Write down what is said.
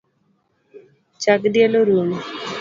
Chag diel orumo